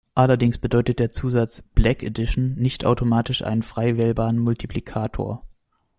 Allerdings bedeutet der Zusatz „Black Edition“ nicht automatisch einen frei wählbaren Multiplikator.